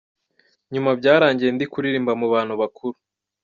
Nyuma byarangiye ndi kuririmba mu bantu bakuru.